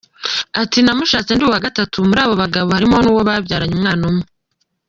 Ati “Namushatse ndi uwa gatatu, muri abo bagabo harimo n’uwo babyaranye umwana umwe.